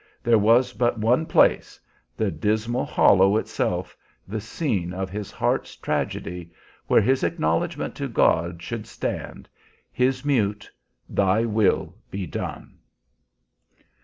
There was but one place the dismal hollow itself, the scene of his heart's tragedy where his acknowledgment to God should stand; his mute "Thy will be done!"